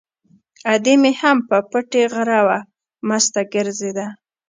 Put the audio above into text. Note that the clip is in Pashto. ادې مې هم په پټي غره وه، مسته ګرځېده.